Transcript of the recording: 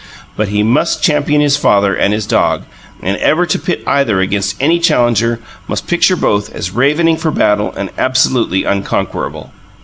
But he must champion his father and his dog, and, ever, ready to pit either against any challenger, must picture both as ravening for battle and absolutely unconquerable.